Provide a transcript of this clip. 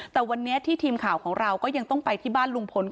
แต่วันนี้ที่ทีมข่าวของเราก็ยังต้องไปที่บ้านลุงพล